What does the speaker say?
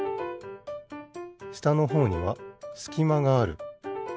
したのほうにはすきまがある。